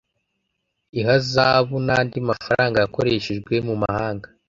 ihazabu n andi mafaranga yakoreshejwe mumahanga